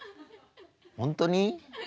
本当に？